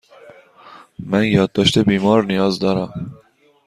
من یادداشت بیمار نیاز دارم.